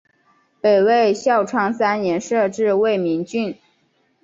北魏孝昌三年设置魏明郡。